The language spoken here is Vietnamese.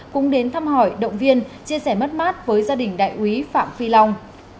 cũng đến thăm hỏi động viên chia sẻ mất mát với gia đình đại úy phạm phi long